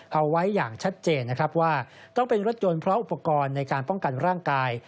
เอาไว้อย่างชัดเจนนะครับว่าต้องเป็นรถยนต์เพราะอุปกรณ์ในการป้องกันร่างกาย